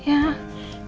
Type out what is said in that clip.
terima kasih no